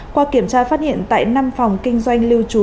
qua kiểm tra phát hiện tại năm phòng kinh doanh lưu trú